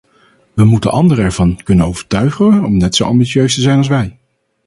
We moeten anderen ervan kunnen overtuigen om net zo ambitieus te zijn als wij.